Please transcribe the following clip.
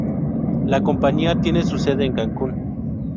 La compañía tiene su sede en Cancún.